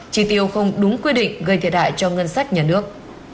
chỉ tiêu không đúng quy định gây thiệt hại cho ngân sách nhà nước